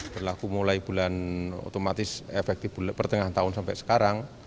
berlaku mulai bulan otomatis efektif pertengahan tahun sampai sekarang